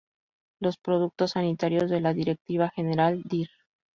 Los productos sanitarios de la directiva general dir.